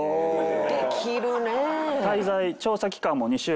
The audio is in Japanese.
できるねえ。